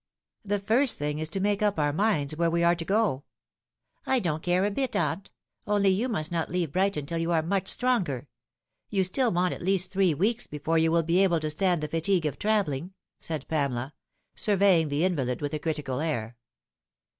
The first thing is to make up our minds where we are to go." " I don't care a bit, aunt ; only yon must not leave Brighton till you are much stronger. You will want at least three weeks before you will be able to stand the fatigue of travelling," said Pamela, surveying the invalid with a critical air.